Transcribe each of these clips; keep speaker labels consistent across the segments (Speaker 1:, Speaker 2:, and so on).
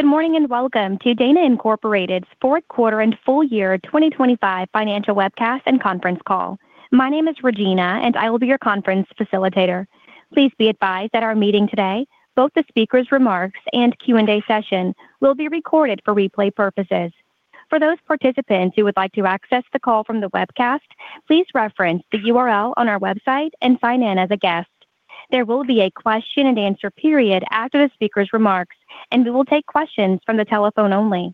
Speaker 1: Good morning, and welcome to Dana Incorporated's fourth quarter and full year 2025 financial webcast and conference call. My name is Regina, and I will be your conference facilitator. Please be advised that our meeting today, both the speaker's remarks and Q&A session, will be recorded for replay purposes. For those participants who would like to access the call from the webcast, please reference the URL on our website and sign in as a guest. There will be a question and answer period after the speaker's remarks, and we will take questions from the telephone only.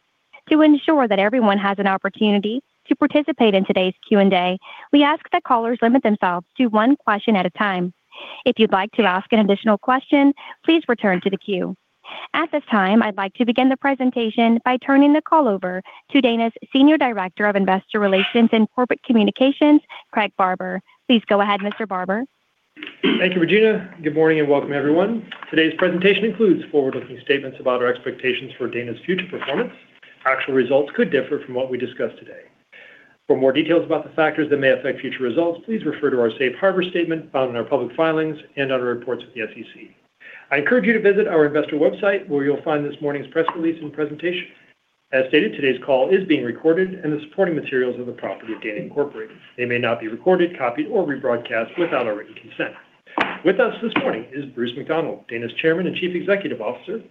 Speaker 1: To ensure that everyone has an opportunity to participate in today's Q&A, we ask that callers limit themselves to one question at a time. If you'd like to ask an additional question, please return to the queue. At this time, I'd like to begin the presentation by turning the call over to Dana's Senior Director of Investor Relations and Corporate Communications, Craig Barber. Please go ahead, Mr. Barber.
Speaker 2: Thank you, Regina. Good morning, and welcome, everyone. Today's presentation includes forward-looking statements about our expectations for Dana's future performance. Actual results could differ from what we discuss today. For more details about the factors that may affect future results, please refer to our safe harbor statement found in our public filings and other reports with the SEC. I encourage you to visit our investor website, where you'll find this morning's press release and presentation. As stated, today's call is being recorded, and the supporting materials are the property of Dana Incorporated. They may not be recorded, copied, or rebroadcast without our written consent. With us this morning is Bruce McDonald, Dana's Chairman and Chief Executive Officer,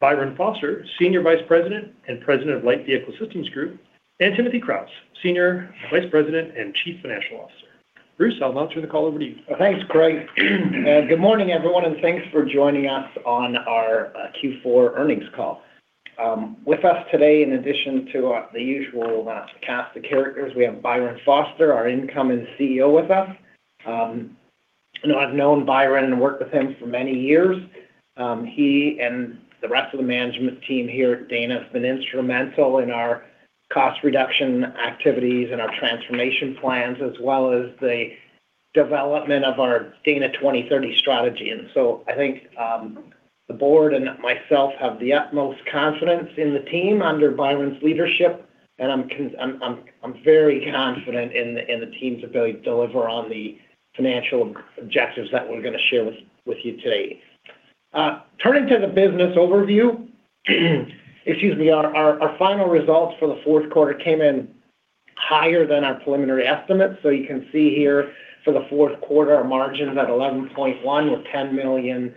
Speaker 2: Byron Foster, Senior Vice President and President of Light Vehicle Systems Group, and Timothy Kraus, Senior Vice President and Chief Financial Officer. Bruce, I'll now turn the call over to you.
Speaker 3: Thanks, Craig. Good morning, everyone, and thanks for joining us on our Q4 earnings call. With us today, in addition to the usual cast of characters, we have Byron Foster, our incoming CEO, with us. You know, I've known Byron and worked with him for many years. He and the rest of the management team here at Dana have been instrumental in our cost reduction activities and our transformation plans, as well as the development of our Dana 2030 strategy. And so I think the board and myself have the utmost confidence in the team under Byron's leadership, and I'm very confident in the team's ability to deliver on the financial objectives that we're gonna share with you today. Turning to the business overview, our final results for the fourth quarter came in higher than our preliminary estimates. So you can see here for the fourth quarter, our margins at 11.1%, with $10 million,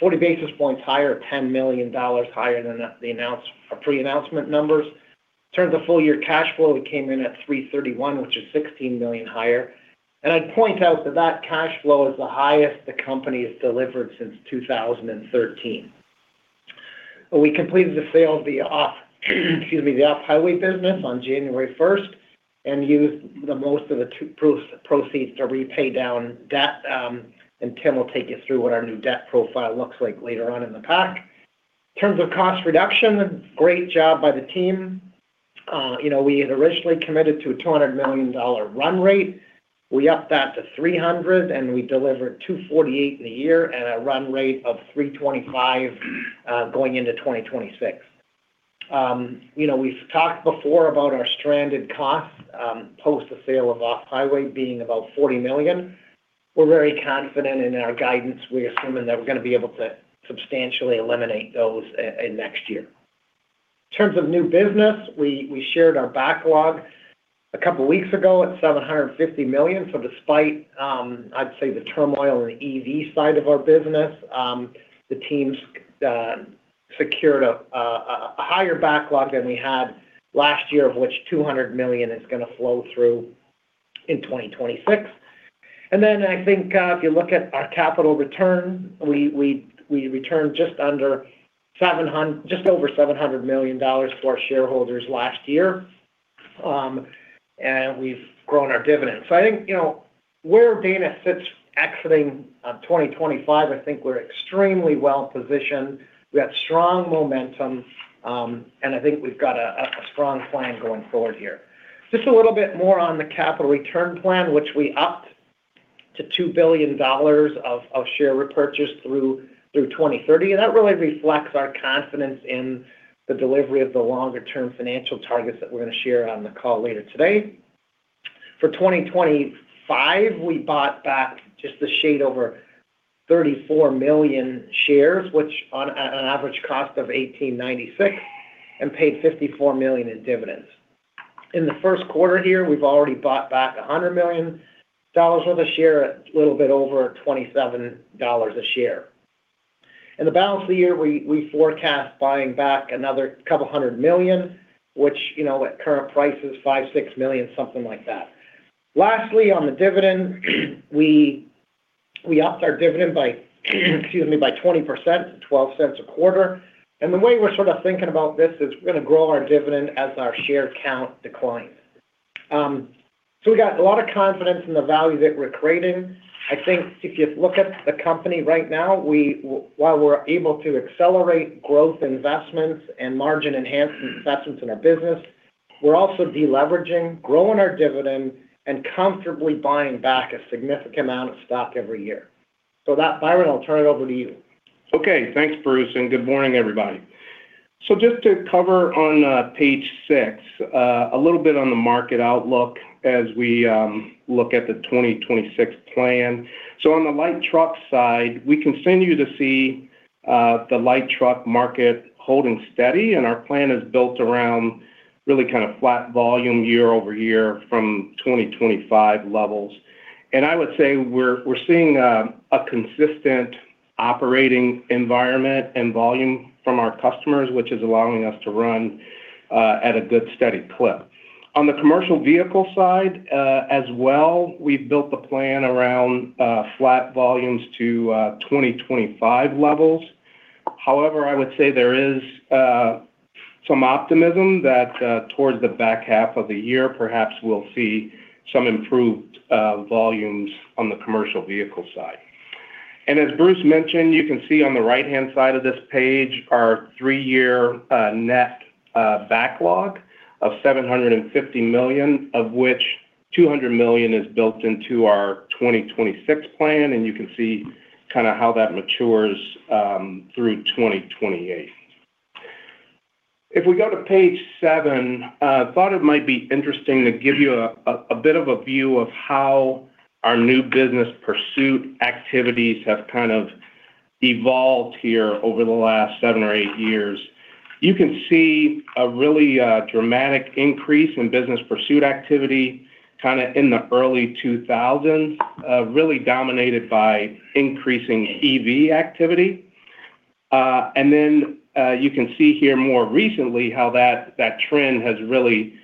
Speaker 3: 40 basis points higher, $10 million higher than the announced pre-announcement numbers. In terms of full-year cash flow, we came in at $331 million, which is $16 million higher. And I'd point out that that cash flow is the highest the company has delivered since 2013. We completed the sale of the Off-Highway business on January first and used the most of the $2 billion proceeds to repay down debt, and Tim will take you through what our new debt profile looks like later on in the pack. In terms of cost reduction, great job by the team. You know, we had originally committed to a $200 million run rate. We upped that to $300, and we delivered $248 in a year and a run rate of $325, going into 2026. You know, we've talked before about our stranded costs post the sale of Off-Highway being about $40 million. We're very confident in our guidance. We're assuming that we're gonna be able to substantially eliminate those in next year. In terms of new business, we shared our backlog a couple weeks ago at $750 million. So despite, I'd say, the turmoil in the EV side of our business, the teams secured a higher backlog than we had last year, of which $200 million is gonna flow through in 2026. And then I think if you look at our capital return, we returned just over $700 million for our shareholders last year, and we've grown our dividend. So I think, you know, where Dana sits exiting 2025, I think we're extremely well-positioned. We have strong momentum, and I think we've got a strong plan going forward here. Just a little bit more on the capital return plan, which we upped to $2 billion of share repurchase through 2030, and that really reflects our confidence in the delivery of the longer-term financial targets that we're gonna share on the call later today. For 2025, we bought back just a shade over 34 million shares, which on an average cost of $18.96, and paid $54 million in dividends. In the first quarter here, we've already bought back $100 million worth of share, a little bit over $27 a share. In the balance of the year, we forecast buying back another couple hundred million, which, you know, at current prices, $5 million-$6 million, something like that. Lastly, on the dividend, we upped our dividend by, excuse me, by 20% to $0.12 a quarter. The way we're sort of thinking about this is we're gonna grow our dividend as our share count declines. We got a lot of confidence in the value that we're creating. I think if you look at the company right now, while we're able to accelerate growth investments and margin enhancement investments in our business, we're also de-leveraging, growing our dividend, and comfortably buying back a significant amount of stock every year. So with that, Byron, I'll turn it over to you.
Speaker 4: Okay. Thanks, Bruce, and good morning, everybody.... So just to cover on page six, a little bit on the market outlook as we look at the 2026 plan. On the light truck side, we continue to see the light truck market holding steady, and our plan is built around really kind of flat volume year-over-year from 2025 levels. I would say we're seeing a consistent operating environment and volume from our customers, which is allowing us to run at a good, steady clip. On the commercial vehicle side, as well, we've built the plan around flat volumes to 2025 levels. However, I would say there is some optimism that towards the back half of the year, perhaps we'll see some improved volumes on the commercial vehicle side. As Bruce mentioned, you can see on the right-hand side of this page, our three-year net backlog of $750 million, of which $200 million is built into our 2026 plan, and you can see kinda how that matures through 2028. If we go to page seven, I thought it might be interesting to give you a bit of a view of how our new business pursuit activities have kind of evolved here over the last 7 or 8 years. You can see a really dramatic increase in business pursuit activity, kinda in the early 2000s, really dominated by increasing EV activity. Then, you can see here more recently how that trend has really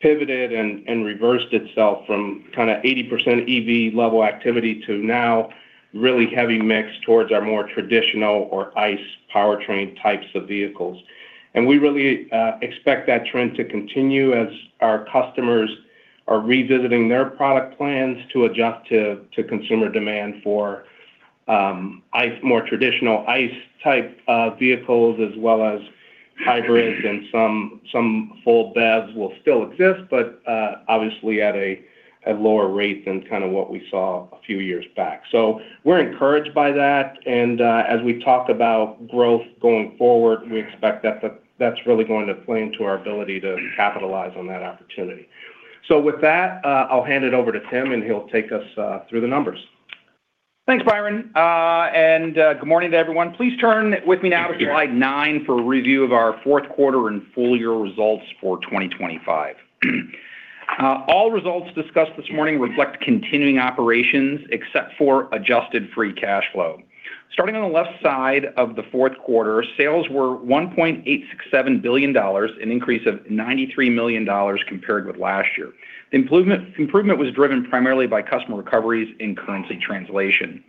Speaker 4: pivoted and reversed itself from kinda 80% EV level activity to now really heavy mix towards our more traditional or ICE powertrain types of vehicles. And we really expect that trend to continue as our customers are revisiting their product plans to adjust to consumer demand for ICE, more traditional ICE-type vehicles, as well as hybrids and some full BEVs will still exist, but obviously at lower rates than kind of what we saw a few years back. So we're encouraged by that, and as we talk about growth going forward, we expect that's really going to play into our ability to capitalize on that opportunity. So with that, I'll hand it over to Tim, and he'll take us through the numbers.
Speaker 5: Thanks, Byron. And good morning to everyone. Please turn with me now to slide nine for a review of our fourth quarter and full year results for 2025. All results discussed this morning reflect continuing operations, except for adjusted free cash flow. Starting on the left side of the fourth quarter, sales were $1.867 billion, an increase of $93 million compared with last year. Improvement was driven primarily by customer recoveries and currency translation.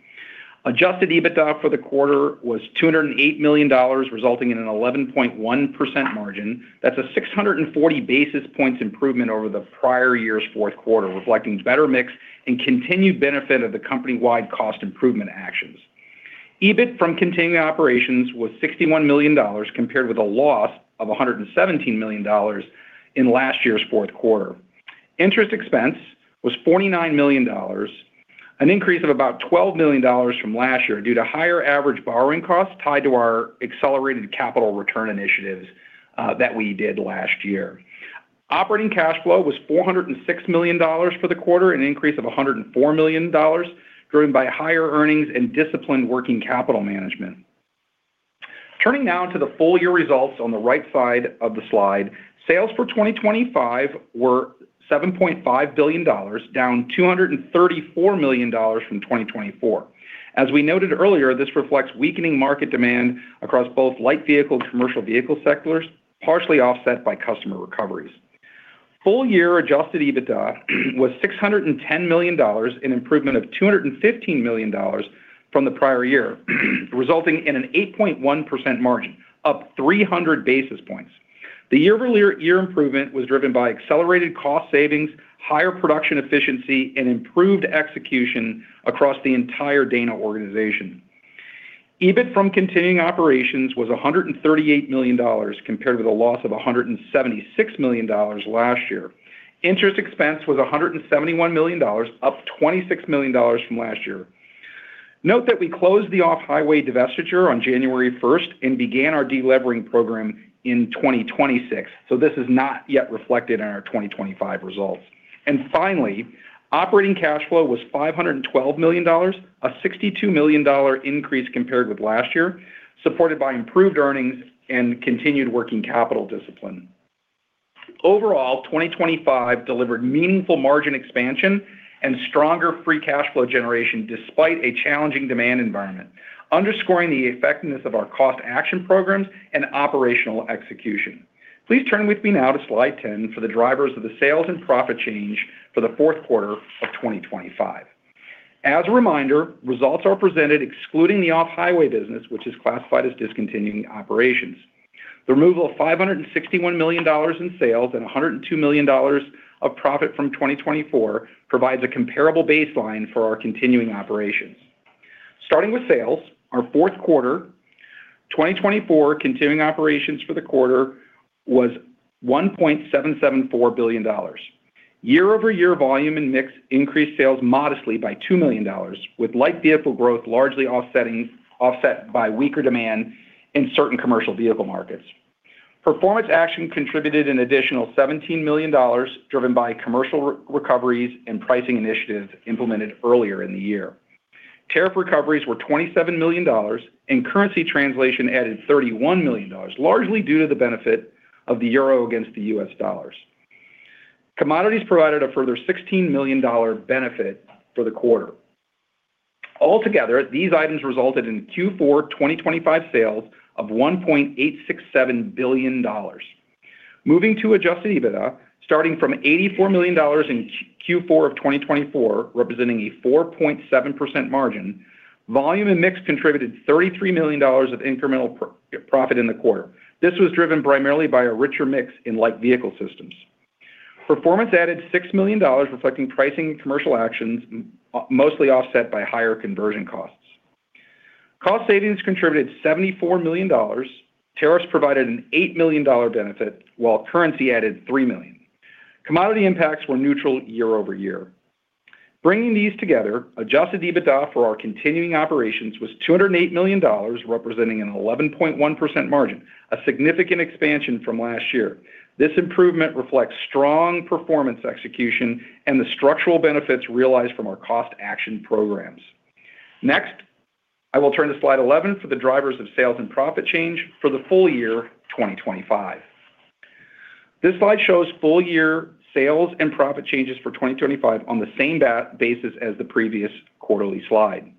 Speaker 5: Adjusted EBITDA for the quarter was $208 million, resulting in an 11.1% margin. That's a 640 basis points improvement over the prior year's fourth quarter, reflecting better mix and continued benefit of the company-wide cost improvement actions. EBIT from continuing operations was $61 million, compared with a loss of $117 million in last year's fourth quarter. Interest expense was $49 million, an increase of about $12 million from last year due to higher average borrowing costs tied to our accelerated capital return initiatives that we did last year. Operating cash flow was $406 million for the quarter, an increase of $104 million, driven by higher earnings and disciplined working capital management. Turning now to the full year results on the right side of the slide. Sales for 2025 were $7.5 billion, down $234 million from 2024. As we noted earlier, this reflects weakening market demand across both light vehicle and commercial vehicle sectors, partially offset by customer recoveries. Full year adjusted EBITDA was $610 million, an improvement of $215 million from the prior year, resulting in an 8.1% margin, up 300 basis points. The year-over-year improvement was driven by accelerated cost savings, higher production efficiency, and improved execution across the entire Dana organization. EBIT from continuing operations was $138 million, compared with a loss of $176 million last year. Interest expense was $171 million, up $26 million from last year. Note that we closed the Off-Highway divestiture on January first and began our delevering program in 2026. So this is not yet reflected in our 2025 results. Finally, operating cash flow was $512 million, a $62 million increase compared with last year, supported by improved earnings and continued working capital discipline. Overall, 2025 delivered meaningful margin expansion and stronger free cash flow generation, despite a challenging demand environment, underscoring the effectiveness of our cost action programs and operational execution. Please turn with me now to slide 10 for the drivers of the sales and profit change for the fourth quarter of 2025. As a reminder, results are presented excluding the Off-Highway business, which is classified as discontinued operations. The removal of $561 million in sales and $102 million of profit from 2024 provides a comparable baseline for our continuing operations. Starting with sales, our fourth quarter 2024 continuing operations for the quarter was $1.774 billion. Year-over-year volume and mix increased sales modestly by $2 million, with light vehicle growth largely offset by weaker demand in certain commercial vehicle markets. Performance action contributed an additional $17 million, driven by commercial recoveries and pricing initiatives implemented earlier in the year. Tariff recoveries were $27 million, and currency translation added $31 million, largely due to the benefit of the euro against the US dollars. Commodities provided a further $16 million dollar benefit for the quarter. Altogether, these items resulted in Q4 2025 sales of $1.867 billion. Moving to adjusted EBITDA, starting from $84 million in Q4 of 2024, representing a 4.7% margin, volume and mix contributed $33 million of incremental profit in the quarter. This was driven primarily by a richer mix in Light Vehicle Systems. Performance added $6 million, reflecting pricing and commercial actions, mostly offset by higher conversion costs. Cost savings contributed $74 million, tariffs provided an $8 million benefit, while currency added $3 million. Commodity impacts were neutral year-over-year. Bringing these together, adjusted EBITDA for our continuing operations was $208 million, representing an 11.1% margin, a significant expansion from last year. This improvement reflects strong performance execution and the structural benefits realized from our cost action programs. Next, I will turn to Slide 11 for the drivers of sales and profit change for the full year 2025. This slide shows full year sales and profit changes for 2025 on the same basis as the previous quarterly slide.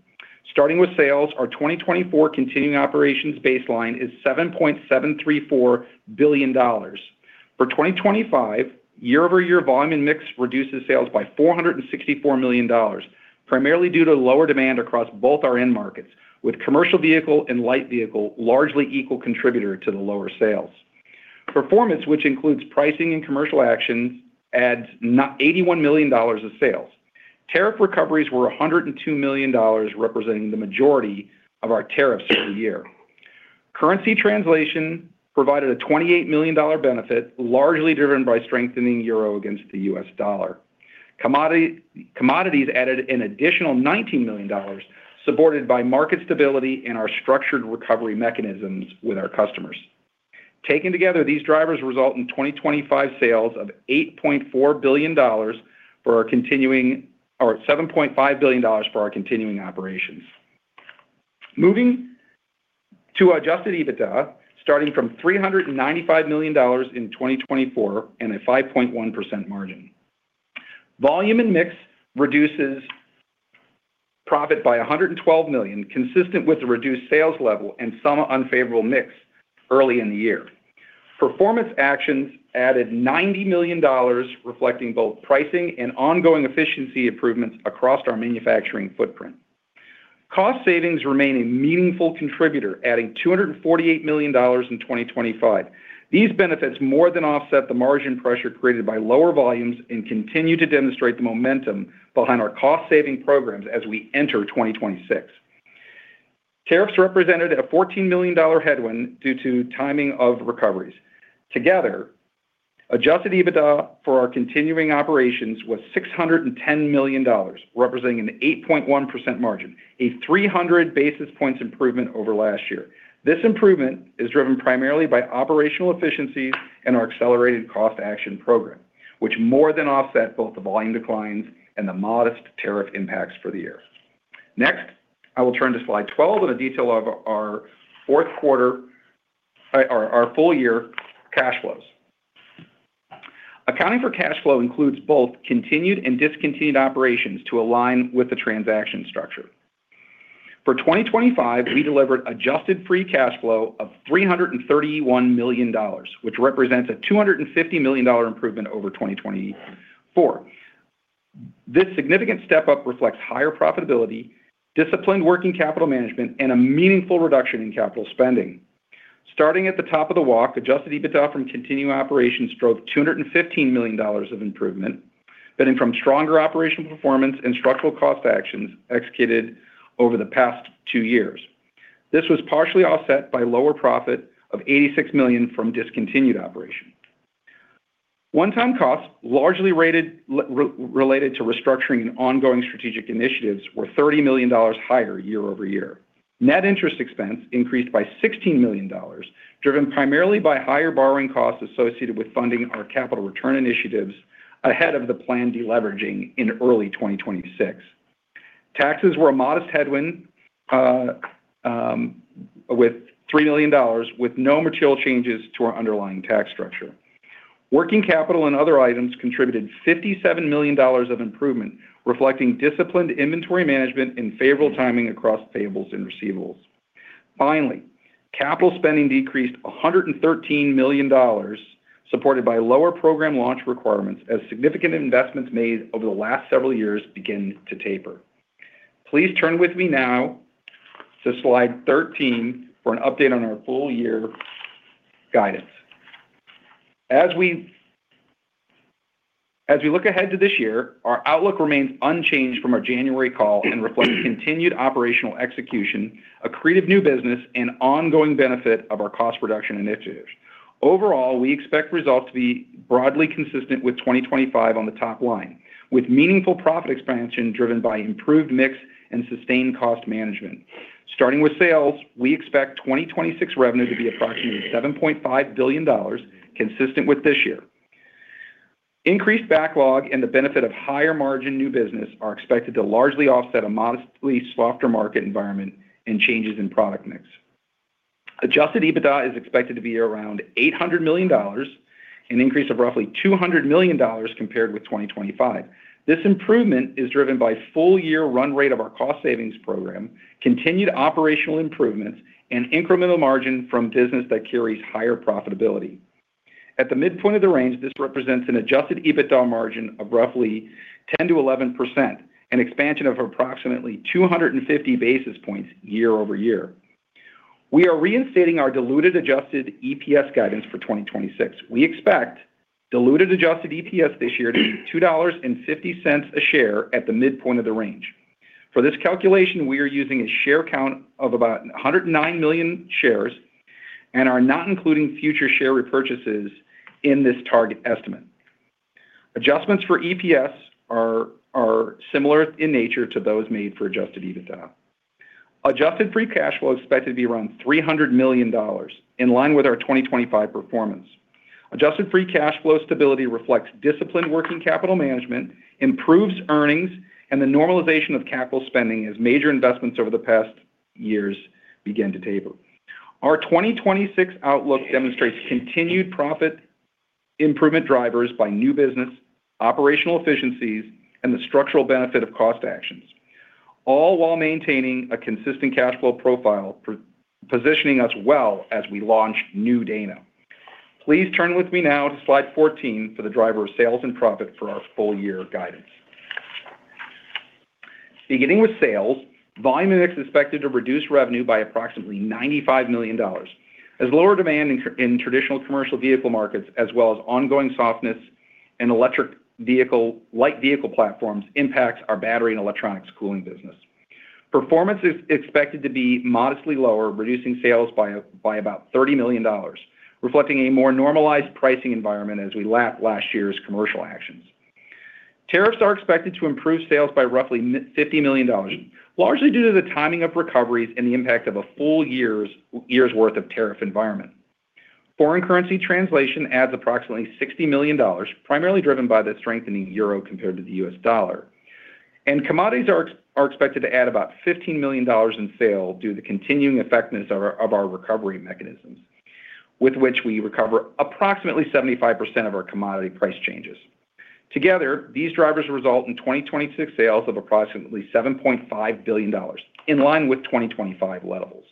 Speaker 5: Starting with sales, our 2024 continuing operations baseline is $7.734 billion. For 2025, year-over-year volume and mix reduces sales by $464 million, primarily due to lower demand across both our end markets, with commercial vehicle and light vehicle largely equal contributor to the lower sales. Performance, which includes pricing and commercial actions, adds $981 million of sales. Tariff recoveries were $102 million, representing the majority of our tariffs for the year. Currency translation provided a $28 million benefit, largely driven by strengthening euro against the US dollar. Commodities added an additional $19 million, supported by market stability and our structured recovery mechanisms with our customers. Taken together, these drivers result in 2025 sales of $8.4 billion for our continuing... or $7.5 billion for our continuing operations. Moving to Adjusted EBITDA, starting from $395 million in 2024 and a 5.1% margin. Volume and mix reduces profit by $112 million, consistent with the reduced sales level and some unfavorable mix early in the year. Performance actions added $90 million, reflecting both pricing and ongoing efficiency improvements across our manufacturing footprint. Cost savings remain a meaningful contributor, adding $248 million in 2025. These benefits more than offset the margin pressure created by lower volumes and continue to demonstrate the momentum behind our cost-saving programs as we enter 2026. Tariffs represented a $14 million headwind due to timing of recoveries. Together, adjusted EBITDA for our continuing operations was $610 million, representing an 8.1% margin, a 300 basis points improvement over last year. This improvement is driven primarily by operational efficiencies and our accelerated cost action program, which more than offset both the volume declines and the modest tariff impacts for the year. Next, I will turn to slide 12 on a detail of our fourth quarter, our full year cash flows. Accounting for cash flow includes both continued and discontinued operations to align with the transaction structure. For 2025, we delivered adjusted free cash flow of $331 million, which represents a $250 million improvement over 2024. This significant step up reflects higher profitability, disciplined working capital management, and a meaningful reduction in capital spending. Starting at the top of the walk, adjusted EBITDA from continuing operations drove $215 million of improvement, stemming from stronger operational performance and structural cost actions executed over the past two years. This was partially offset by lower profit of $86 million from discontinued operations. One-time costs, largely related to restructuring and ongoing strategic initiatives, were $30 million higher year-over-year. Net interest expense increased by $16 million, driven primarily by higher borrowing costs associated with funding our capital return initiatives ahead of the planned deleveraging in early 2026. Taxes were a modest headwind with $3 million, with no material changes to our underlying tax structure. Working capital and other items contributed $57 million of improvement, reflecting disciplined inventory management and favorable timing across payables and receivables. Finally, capital spending decreased $113 million, supported by lower program launch requirements, as significant investments made over the last several years begin to taper. Please turn with me now to slide 13 for an update on our full year guidance. As we look ahead to this year, our outlook remains unchanged from our January call and reflects continued operational execution, accretive new business, and ongoing benefit of our cost reduction initiatives. Overall, we expect results to be broadly consistent with 2025 on the top line, with meaningful profit expansion driven by improved mix and sustained cost management. Starting with sales, we expect 2026 revenue to be approximately $7.5 billion, consistent with this year. Increased backlog and the benefit of higher margin new business are expected to largely offset a modestly softer market environment and changes in product mix. Adjusted EBITDA is expected to be around $800 million, an increase of roughly $200 million compared with 2025. This improvement is driven by full-year run rate of our cost savings program, continued operational improvements, and incremental margin from business that carries higher profitability. At the midpoint of the range, this represents an adjusted EBITDA margin of roughly 10%-11%, an expansion of approximately 250 basis points year over year. We are reinstating our diluted adjusted EPS guidance for 2026. We expect diluted adjusted EPS this year to be $2.50 a share at the midpoint of the range. For this calculation, we are using a share count of about 109 million shares and are not including future share repurchases in this target estimate. Adjustments for EPS are similar in nature to those made for adjusted EBITDA. Adjusted free cash flow is expected to be around $300 million, in line with our 2025 performance. Adjusted free cash flow stability reflects disciplined working capital management, improves earnings, and the normalization of capital spending as major investments over the past years begin to taper. Our 2026 outlook demonstrates continued profit improvement drivers by new business, operational efficiencies, and the structural benefit of cost actions, all while maintaining a consistent cash flow profile, positioning us well as we launch new Dana. Please turn with me now to slide 14 for the driver of sales and profit for our full year guidance. Beginning with sales, volume and mix is expected to reduce revenue by approximately $95 million, as lower demand in traditional commercial vehicle markets, as well as ongoing softness in electric vehicle, light vehicle platforms impacts our battery and electronics cooling business. Performance is expected to be modestly lower, reducing sales by about $30 million, reflecting a more normalized pricing environment as we lap last year's commercial actions. Tariffs are expected to improve sales by roughly $50 million, largely due to the timing of recoveries and the impact of a full year's worth of tariff environment. Foreign currency translation adds approximately $60 million, primarily driven by the strengthening euro compared to the US dollar. And commodities are expected to add about $15 million in sales due to the continuing effectiveness of our recovery mechanisms, with which we recover approximately 75% of our commodity price changes. Together, these drivers result in 2026 sales of approximately $7.5 billion, in line with 2025 levels.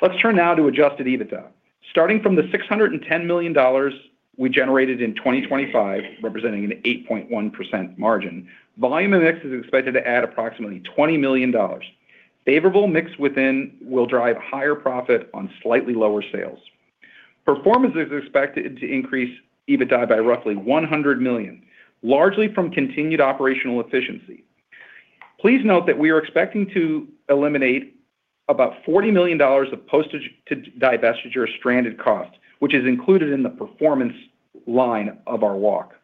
Speaker 5: Let's turn now to Adjusted EBITDA. Starting from the $610 million we generated in 2025, representing an 8.1% margin, volume and mix is expected to add approximately $20 million. Favorable mix within will drive higher profit on slightly lower sales. Performance is expected to increase EBITDA by roughly $100 million, largely from continued operational efficiency. Please note that we are expecting to eliminate about $40 million of post-divestiture stranded costs, which is included in the performance line of our walk.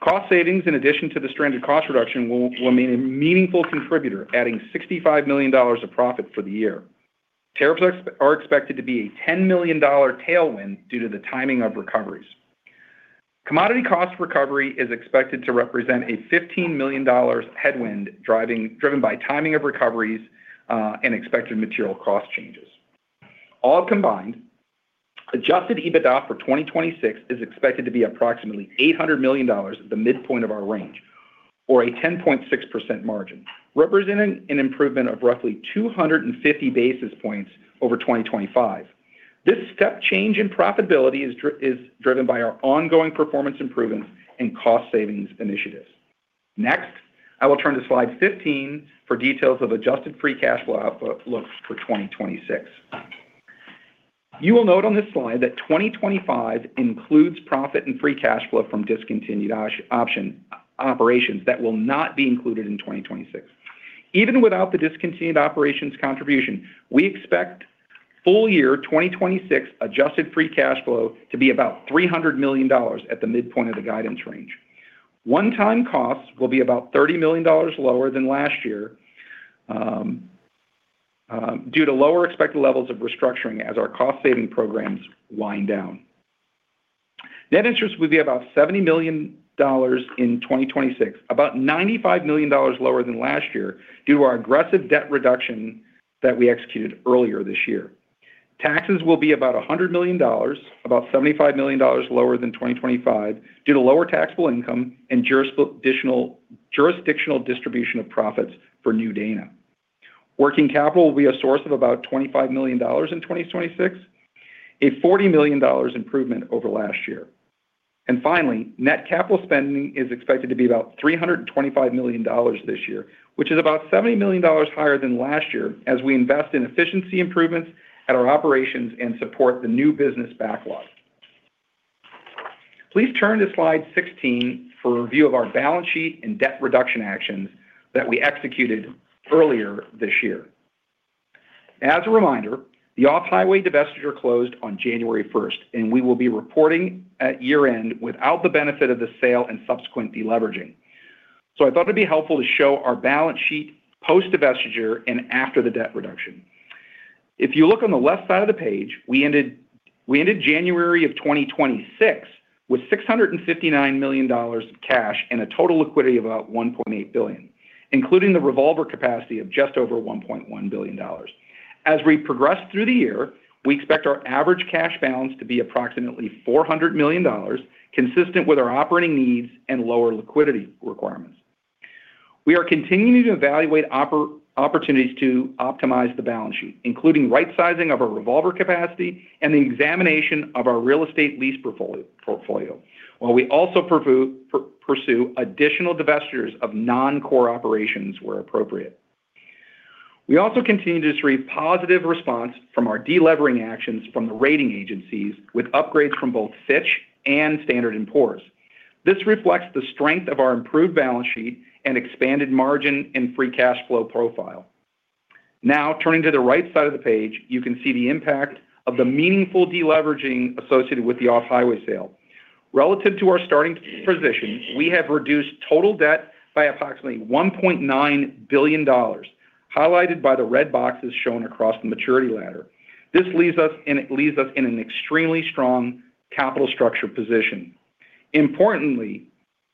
Speaker 5: Cost savings, in addition to the stranded cost reduction, will be a meaningful contributor, adding $65 million of profit for the year. Tariffs are expected to be a $10 million tailwind due to the timing of recoveries. Commodity cost recovery is expected to represent a $15 million headwind driven by timing of recoveries and expected material cost changes. All combined, adjusted EBITDA for 2026 is expected to be approximately $800 million at the midpoint of our range, or a 10.6% margin, representing an improvement of roughly 250 basis points over 2025. This step change in profitability is driven by our ongoing performance improvements and cost savings initiatives. Next, I will turn to slide 15 for details of Adjusted Free Cash Flow outlook for 2026. You will note on this slide that 2025 includes profit and free cash flow from discontinued operations that will not be included in 2026. Even without the discontinued operations contribution, we expect full year 2026 Adjusted Free Cash Flow to be about $300 million at the midpoint of the guidance range. One-time costs will be about $30 million lower than last year due to lower expected levels of restructuring as our cost-saving programs wind down. Net interest will be about $70 million in 2026, about $95 million lower than last year due to our aggressive debt reduction that we executed earlier this year. Taxes will be about $100 million, about $75 million lower than 2025 due to lower taxable income and jurisdictional distribution of profits for new Dana. Working capital will be a source of about $25 million in 2026, a $40 million improvement over last year. Finally, net capital spending is expected to be about $325 million this year, which is about $70 million higher than last year as we invest in efficiency improvements at our operations and support the new business backlog. Please turn to slide 16 for a review of our balance sheet and debt reduction actions that we executed earlier this year. As a reminder, the Off-Highway divestiture closed on January 1, and we will be reporting at year-end without the benefit of the sale and subsequent deleveraging. So I thought it'd be helpful to show our balance sheet post-divestiture and after the debt reduction. If you look on the left side of the page, we ended January 2026 with $659 million of cash and a total liquidity of about $1.8 billion, including the revolver capacity of just over $1.1 billion. As we progress through the year, we expect our average cash balance to be approximately $400 million, consistent with our operating needs and lower liquidity requirements. We are continuing to evaluate opportunities to optimize the balance sheet, including right sizing of our revolver capacity and the examination of our real estate lease portfolio, while we also pursue additional divestitures of non-core operations where appropriate. We also continue to see positive response from our delevering actions from the rating agencies, with upgrades from both Fitch and Standard & Poor's. This reflects the strength of our improved balance sheet and expanded margin and free cash flow profile. Now, turning to the right side of the page, you can see the impact of the meaningful deleveraging associated with the Off-Highway sale. Relative to our starting position, we have reduced total debt by approximately $1.9 billion, highlighted by the red boxes shown across the maturity ladder. This leaves us in an extremely strong capital structure position. Importantly,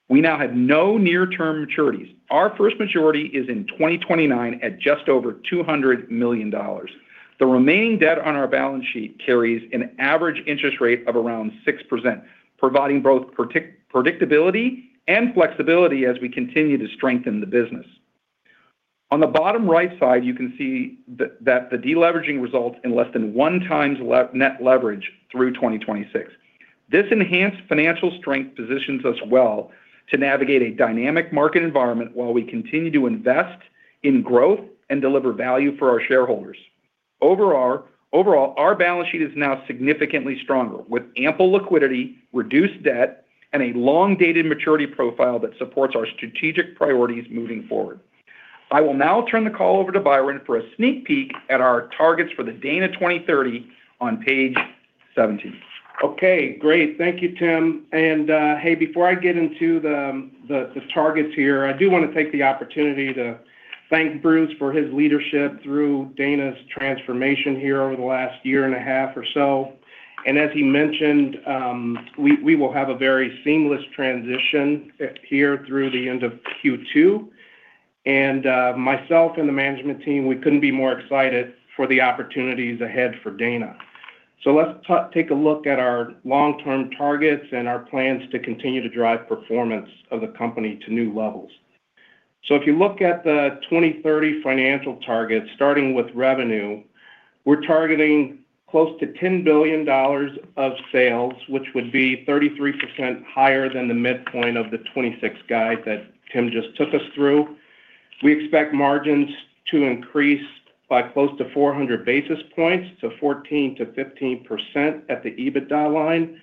Speaker 5: we now have no near-term maturities. Our first maturity is in 2029 at just over $200 million. The remaining debt on our balance sheet carries an average interest rate of around 6%, providing both predictability and flexibility as we continue to strengthen the business. On the bottom right side, you can see that the deleveraging results in less than 1x net leverage through 2026. This enhanced financial strength positions us well to navigate a dynamic market environment while we continue to invest in growth and deliver value for our shareholders. Overall, our balance sheet is now significantly stronger, with ample liquidity, reduced debt, and a long-dated maturity profile that supports our strategic priorities moving forward. I will now turn the call over to Byron for a sneak peek at our targets for the Dana 2030 on page 17.
Speaker 4: Okay, great. Thank you, Tim. And, hey, before I get into the targets here, I do want to take the opportunity to thank Bruce for his leadership through Dana's transformation here over the last year and a half or so. And as he mentioned, we will have a very seamless transition here through the end of Q2. And, myself and the management team, we couldn't be more excited for the opportunities ahead for Dana. So let's take a look at our long-term targets and our plans to continue to drive performance of the company to new levels. So if you look at the 2030 financial targets, starting with revenue, we're targeting close to $10 billion of sales, which would be 33% higher than the midpoint of the 2026 guide that Tim just took us through. We expect margins to increase by close to 400 basis points, to 14%-15% at the EBITDA line,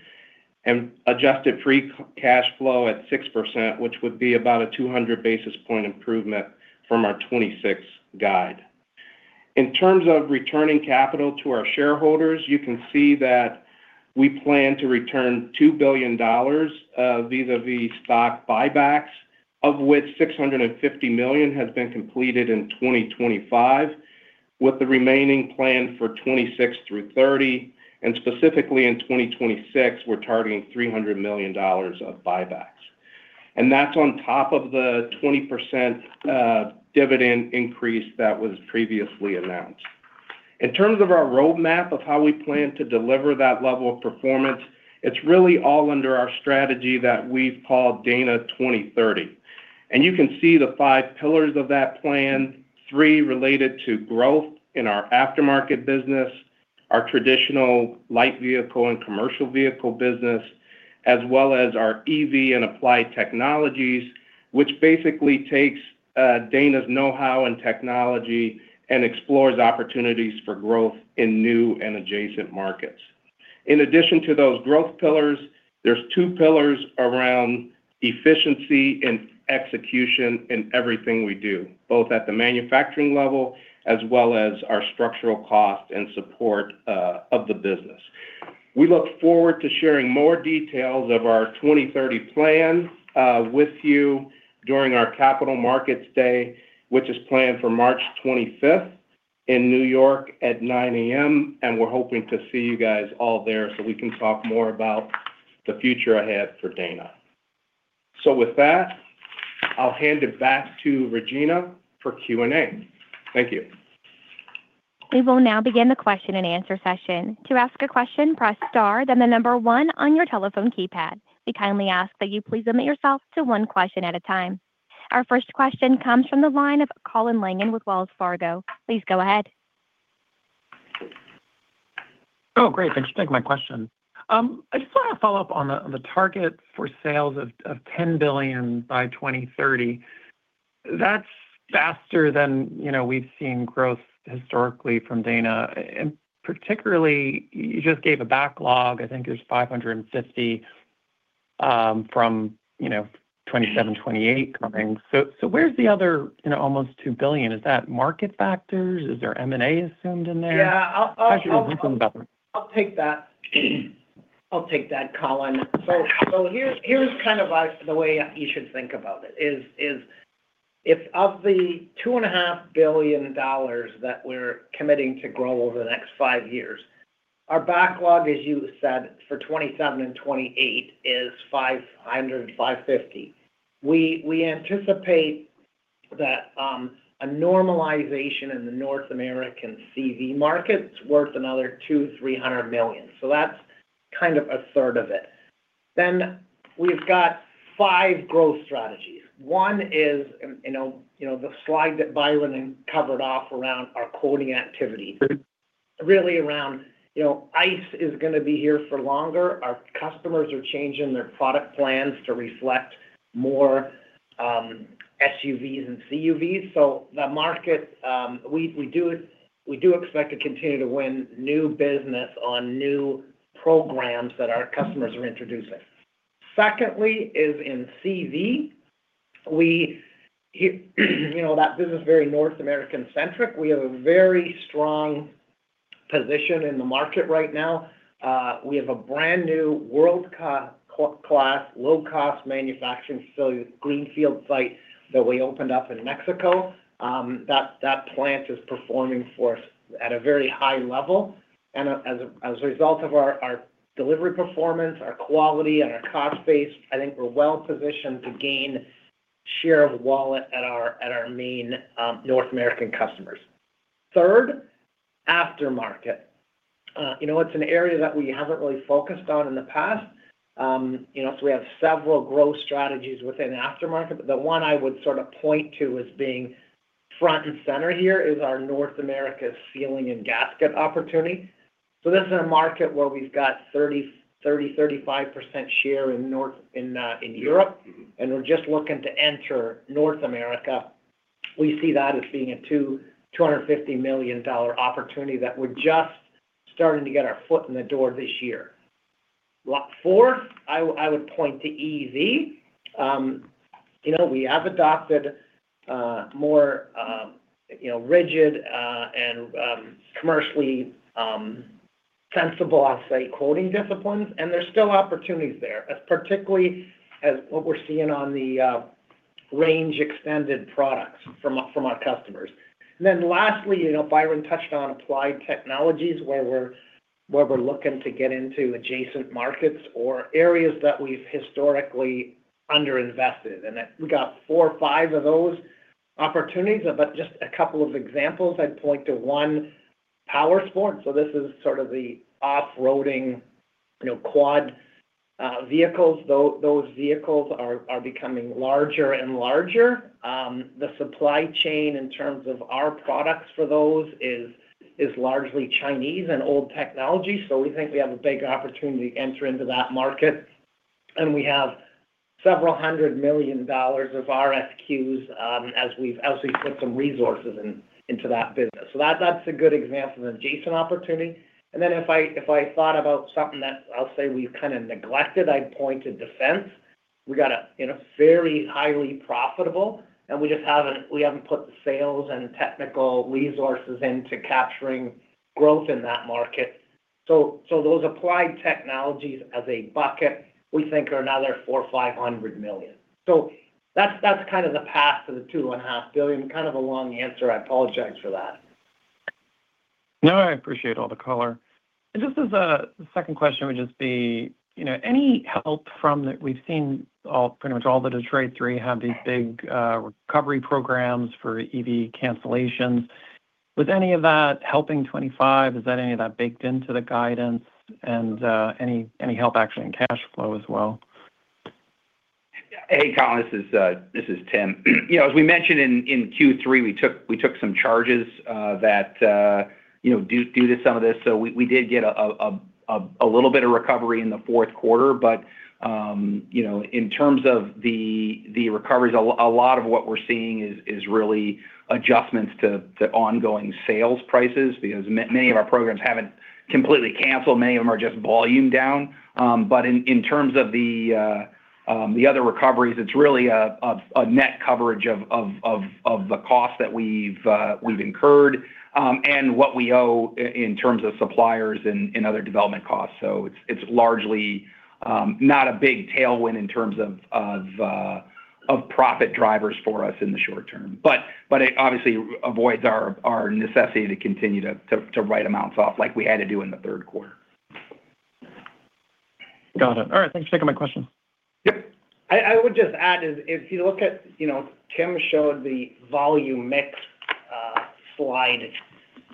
Speaker 4: and adjusted free cash flow at 6%, which would be about a 200 basis point improvement from our 2026 guide. In terms of returning capital to our shareholders, you can see that we plan to return $2 billion vis-a-vis stock buybacks, of which $650 million has been completed in 2025, with the remaining plan for 2026 through 2030. And specifically in 2026, we're targeting $300 million of buybacks. And that's on top of the 20% dividend increase that was previously announced. In terms of our roadmap of how we plan to deliver that level of performance, it's really all under our strategy that we've called Dana 2030. And you can see the five pillars of that plan, three related to growth in our aftermarket business, our traditional light vehicle and commercial vehicle business, as well as our EV and Applied Technologies, which basically takes, Dana's know-how and technology and explores opportunities for growth in new and adjacent markets. In addition to those growth pillars, there's two pillars around efficiency and execution in everything we do, both at the manufacturing level as well as our structural cost and support, of the business. We look forward to sharing more details of our 2030 plans, with you during our Capital Markets Day, which is planned for March 25th in New York at 9:00 A.M., and we're hoping to see you guys all there so we can talk more about the future ahead for Dana. So with that, I'll hand it back to Regina for Q&A. Thank you.
Speaker 1: We will now begin the question-and-answer session. To ask a question, press star, then the number one on your telephone keypad. We kindly ask that you please limit yourself to one question at a time. Our first question comes from the line of Colin Langan with Wells Fargo. Please go ahead.
Speaker 6: Oh, great. Thanks for taking my question. I just want to follow up on the target for sales of $10 billion by 2030. That's faster than, you know, we've seen growth historically from Dana, and particularly, you just gave a backlog. I think there's 550 from, you know, 2027, 2028 coming. So, where's the other, you know, almost $2 billion? Is that market factors? Is there M&A assumed in there?
Speaker 3: Yeah. I'll, I'll, I'll take that. I'll take that, Colin. So, so here's, here's kind of like the way you should think about it, is, is if of the $2.5 billion that we're committing to grow over the next five years, our backlog, as you said, for 2027 and 2028, is 550. We, we anticipate that a normalization in the North American CV market's worth another $200 million-$300 million. So that's kind of a third of it. Then we've got five growth strategies. One is, and, you know, you know, the slide that Byron covered off around our quoting activity, really around, you know, ICE is gonna be here for longer. Our customers are changing their product plans to reflect more SUVs and CUVs. So the market, we do expect to continue to win new business on new programs that our customers are introducing. Secondly, is in CV. You know, that business is very North American-centric. We have a very strong position in the market right now. We have a brand-new world-class, low-cost manufacturing facility, greenfield site, that we opened up in Mexico. That plant is performing for us at a very high level, and as a result of our delivery performance, our quality, and our cost base, I think we're well positioned to gain share of wallet at our main North American customers. Third, aftermarket. You know, it's an area that we haven't really focused on in the past. You know, so we have several growth strategies within the aftermarket, but the one I would sort of point to as being front and center here is our North America sealing and gasket opportunity. So this is a market where we've got 30%-35% share in Europe, and we're just looking to enter North America. We see that as being a $250 million opportunity that we're just starting to get our foot in the door this year. Fourth, I would point to EV. You know, we have adopted more, you know, rigid and commercially sensible, I'll say, quoting disciplines, and there's still opportunities there, as particularly as what we're seeing on the range extended products from our customers. Then lastly, you know, Byron touched on Applied Technologies, where we're looking to get into adjacent markets or areas that we've historically underinvested in. And we got four or five of those opportunities, but just a couple of examples, I'd point to one, Powersports. So this is sort of the off-roading, you know, quad vehicles. Those vehicles are becoming larger and larger. The supply chain in terms of our products for those is largely Chinese and old technology, so we think we have a big opportunity to enter into that market. And we have $several hundred million of RFQs, as we've put some resources into that business. So that's a good example of an adjacent opportunity. And then if I thought about something that I'll say we've kind of neglected, I'd point to defense. We got a, you know, very highly profitable, and we just haven't, we haven't put the sales and technical resources into capturing growth in that market. So, so those Applied Technologies as a bucket, we think, are another $400 million-$500 million. So that's, that's kind of the path to the $2.5 billion. Kind of a long answer. I apologize for that.
Speaker 6: No, I appreciate all the color. And just as a second question, would just be, you know, any help from that—we've seen all, pretty much all the Detroit Three have these big, recovery programs for EV cancellations. Was any of that helping 25? Is that any of that baked into the guidance, and, any, any help actually in cash flow as well?
Speaker 5: Hey, Colin, this is Tim. You know, as we mentioned in Q3, we took some charges that you know due to some of this. So we did get a little bit of recovery in the fourth quarter, but you know, in terms of the recoveries, a lot of what we're seeing is really adjustments to ongoing sales prices because many of our programs haven't completely canceled. Many of them are just volume down. But in terms of the other recoveries, it's really a net coverage of the cost that we've incurred and what we owe in terms of suppliers and other development costs. So it's largely not a big tailwind in terms of profit drivers for us in the short term. But it obviously avoids our necessity to continue to write amounts off like we had to do in the third quarter.
Speaker 6: Got it. All right. Thanks for taking my question.
Speaker 3: Yep. I would just add is, if you look at, you know, Tim showed the volume mix slide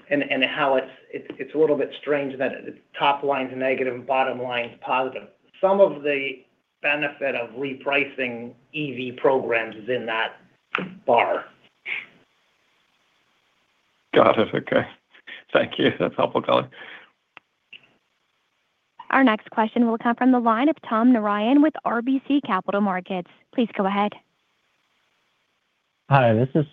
Speaker 3: and how it's a little bit strange that the top line's negative, bottom line's positive. Some of the benefit of repricing EV programs is in that bar....
Speaker 5: Got it. Okay. Thank you. That's helpful, Colin.
Speaker 1: Our next question will come from the line of Tom Narayan with RBC Capital Markets. Please go ahead.
Speaker 7: Hi, this is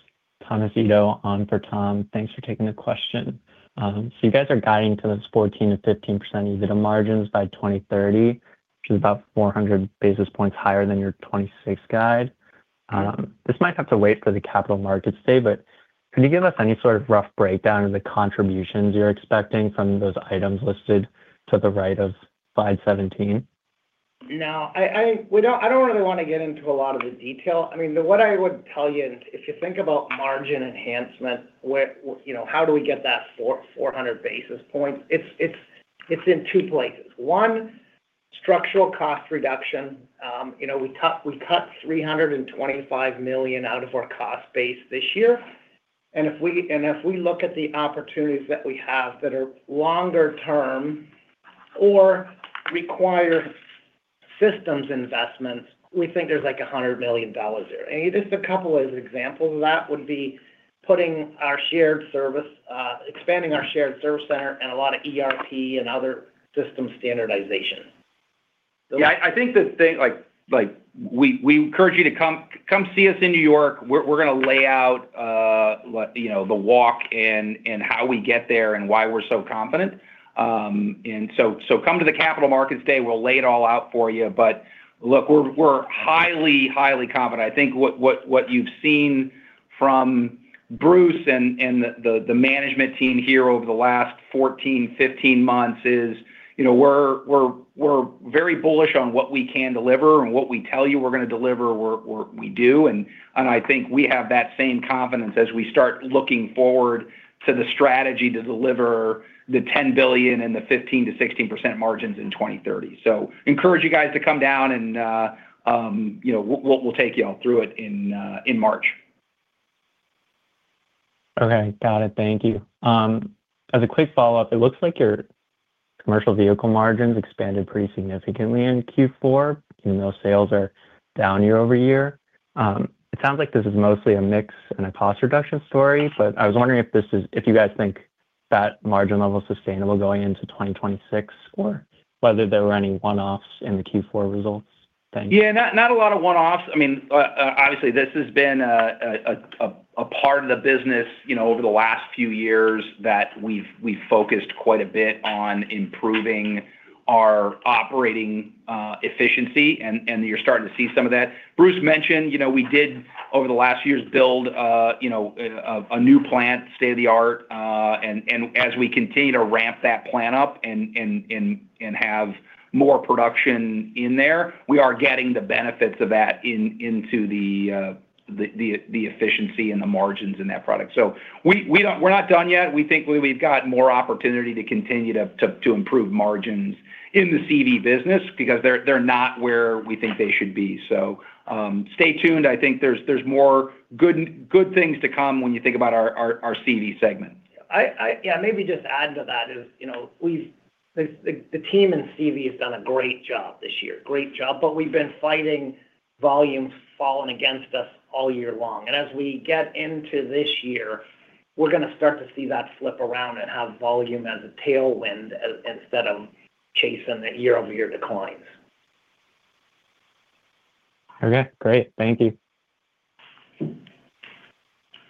Speaker 7: Thomas Ito on for Tom. Thanks for taking the question. So you guys are guiding to those 14%-15% EBITDA margins by 2030, which is about 400 basis points higher than your 2026 guide. This might have to wait for the capital markets day, but can you give us any sort of rough breakdown of the contributions you're expecting from those items listed to the right of slide 17?
Speaker 3: No. We don't—I don't really want to get into a lot of the detail. I mean, what I would tell you, and if you think about margin enhancement, where you know, how do we get that 400 basis points? It's in two places. One, structural cost reduction. You know, we cut $325 million out of our cost base this year. And if we look at the opportunities that we have that are longer term or require systems investments, we think there's, like, $100 million there. And just a couple of examples of that would be putting our shared service, expanding our shared service center and a lot of ERP and other system standardization.
Speaker 5: Yeah, I think the thing like we encourage you to come see us in New York. We're going to lay out what, you know, the walk and how we get there and why we're so confident. And so come to the capital markets day, we'll lay it all out for you. But look, we're highly confident. I think what you've seen from Bruce and the management team here over the last 14, 15 months is, you know, we're very bullish on what we can deliver and what we tell you we're going to deliver, we do. And I think we have that same confidence as we start looking forward to the strategy to deliver the $10 billion and the 15%-16% margins in 2030. So, encourage you guys to come down and, you know, we'll take you all through it in March.
Speaker 7: Okay. Got it. Thank you. As a quick follow-up, it looks like your commercial vehicle margins expanded pretty significantly in Q4, even though sales are down year-over-year. It sounds like this is mostly a mix and a cost reduction story, but I was wondering if you guys think that margin level is sustainable going into 2026, or whether there were any one-offs in the Q4 results? Thanks.
Speaker 5: Yeah, not a lot of one-offs. I mean, obviously, this has been a part of the business, you know, over the last few years that we've focused quite a bit on improving our operating efficiency, and you're starting to see some of that. Bruce mentioned, you know, we did over the last years build a new plant, state-of-the-art, and as we continue to ramp that plant up and have more production in there, we are getting the benefits of that into the efficiency and the margins in that product. So we don't-- we're not done yet. We think we've got more opportunity to continue to improve margins in the CV business because they're not where we think they should be. Stay tuned. I think there's more good things to come when you think about our CV segment.
Speaker 3: Yeah, maybe just add to that is, you know, we've the team in CV has done a great job this year, great job, but we've been fighting volumes falling against us all year long. And as we get into this year, we're going to start to see that flip around and have volume as a tailwind as, instead of chasing the year-over-year declines.
Speaker 7: Okay, great. Thank you.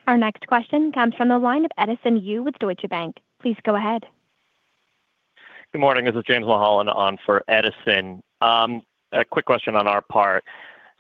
Speaker 1: Our next question comes from the line of Edison Yu with Deutsche Bank. Please go ahead.
Speaker 8: Good morning, this is James Mulholland on for Edison. A quick question on our part.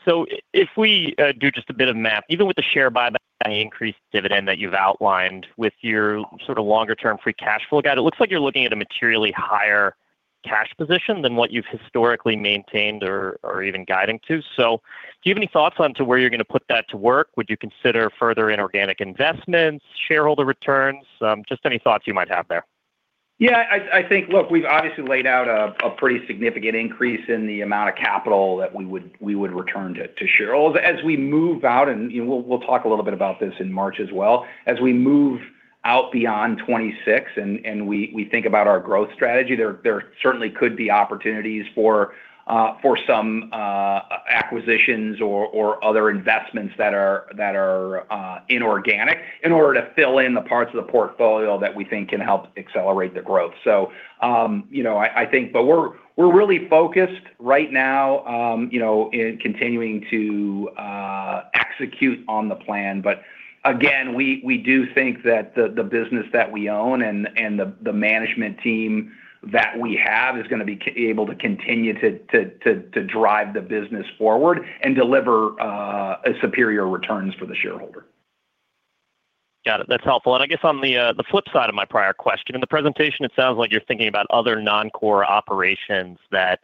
Speaker 8: So if we do just a bit of math, even with the share buyback and increased dividend that you've outlined with your sort of longer-term free cash flow guide, it looks like you're looking at a materially higher cash position than what you've historically maintained or even guiding to. So do you have any thoughts on to where you're going to put that to work? Would you consider further inorganic investments, shareholder returns? Just any thoughts you might have there.
Speaker 5: Yeah, I think, look, we've obviously laid out a pretty significant increase in the amount of capital that we would return to shareholders. As we move out, and, you know, we'll talk a little bit about this in March as well. As we move out beyond 2026 and we think about our growth strategy, there certainly could be opportunities for some acquisitions or other investments that are inorganic in order to fill in the parts of the portfolio that we think can help accelerate the growth. So, you know, I think... But we're really focused right now, you know, in continuing to execute on the plan. But again, we do think that the business that we own and the management team that we have is going to be able to continue to drive the business forward and deliver a superior returns for the shareholder.
Speaker 8: Got it. That's helpful. And I guess on the, the flip side of my prior question, in the presentation, it sounds like you're thinking about other non-core operations that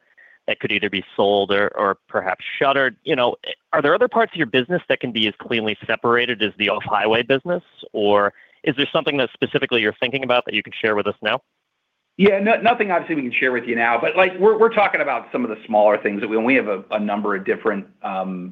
Speaker 8: could either be sold or perhaps shuttered. You know, are there other parts of your business that can be as cleanly separated as the Off-Highway business, or is there something that specifically you're thinking about that you can share with us now? ...
Speaker 5: Yeah, nothing obviously we can share with you now, but like, we're talking about some of the smaller things that we—and we have a number of different,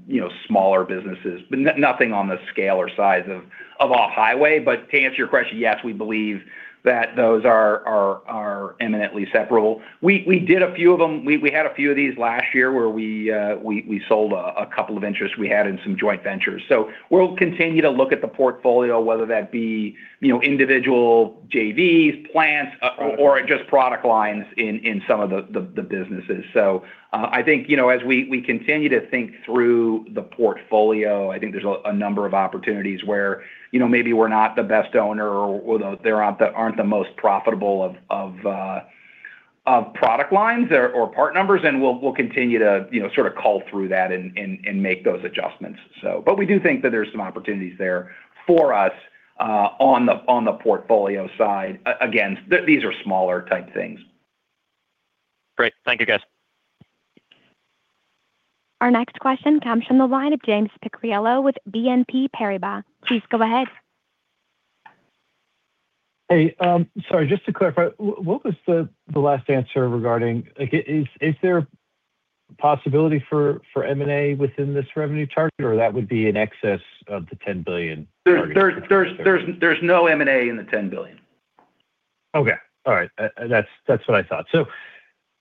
Speaker 5: you know, smaller businesses, but nothing on the scale or size of Off-Highway. But to answer your question, yes, we believe that those are imminently separable. We did a few of them. We had a few of these last year where we sold a couple of interests we had in some joint ventures. So we'll continue to look at the portfolio, whether that be, you know, individual JVs, plants, or just product lines in some of the businesses. So, I think, you know, as we continue to think through the portfolio, I think there's a number of opportunities where, you know, maybe we're not the best owner or they're not the most profitable of product lines or part numbers, and we'll continue to, you know, sort of cull through that and make those adjustments so... But we do think that there's some opportunities there for us on the portfolio side. Again, these are smaller type things.
Speaker 8: Great. Thank you, guys.
Speaker 1: Our next question comes from the line of James Picariello with BNP Paribas. Please go ahead.
Speaker 9: Hey, sorry, just to clarify, what was the last answer regarding... Like, is there a possibility for M&A within this revenue target, or that would be in excess of the $10 billion?
Speaker 5: There's no M&A in the $10 billion.
Speaker 9: Okay, all right. That's, that's what I thought. So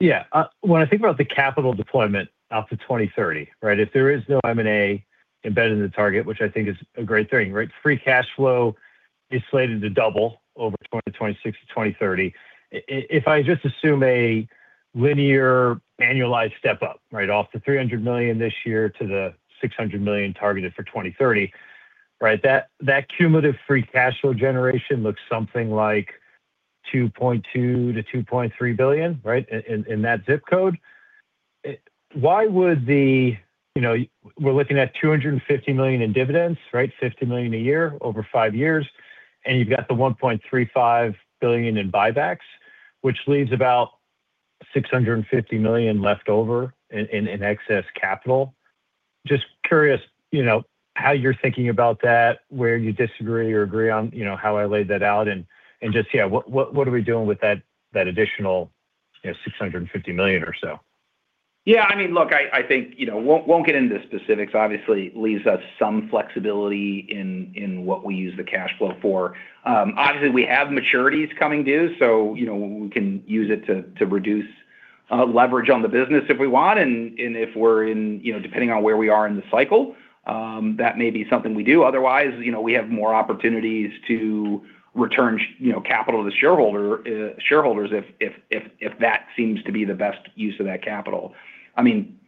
Speaker 9: yeah, when I think about the capital deployment out to 2030, right? If there is no M&A embedded in the target, which I think is a great thing, right? Free cash flow is slated to double over 2026 to 2030. If I just assume a linear annualized step up, right off the $300 million this year to the $600 million targeted for 2030, right? That, that cumulative free cash flow generation looks something like $2.2 billion-$2.3 billion, right? In, in that zip code. Why would the... You know, we're looking at $250 million in dividends, right? $50 million a year over 5 years, and you've got the $1.35 billion in buybacks, which leaves about $650 million left over in excess capital. Just curious, you know, how you're thinking about that, where you disagree or agree on, you know, how I laid that out, and just, yeah, what are we doing with that additional, you know, $650 million or so?
Speaker 5: Yeah, I mean, look, I think, you know, won't get into specifics. Obviously, leaves us some flexibility in what we use the cash flow for. Obviously, we have maturities coming due, so, you know, we can use it to reduce leverage on the business if we want, and if we're in... You know, depending on where we are in the cycle, that may be something we do. Otherwise, you know, we have more opportunities to return, you know, capital to shareholder shareholders if that seems to be the best use of that capital. I mean,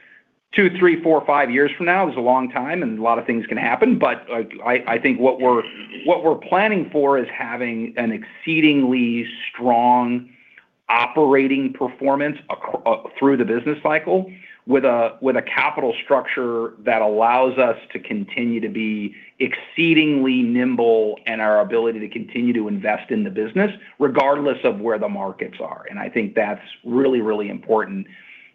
Speaker 5: 2, 3, 4, 5 years from now is a long time and a lot of things can happen, but, like, I think what we're, what we're planning for is having an exceedingly strong operating performance through the business cycle with a, with a capital structure that allows us to continue to be exceedingly nimble in our ability to continue to invest in the business, regardless of where the markets are. I think that's really, really important